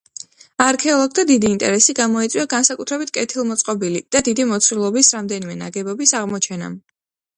არქეოლოგთა დიდი ინტერესი გამოიწვია განსაკუთრებით კეთილმოწყობილი და დიდი მოცულობის რამდენიმე ნაგებობის აღმოჩენამ.